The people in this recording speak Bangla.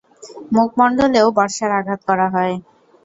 মুখমণ্ডলেও বর্শার আঘাত করা হয়।